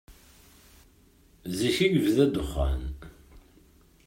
Zik i yebda ddexxan.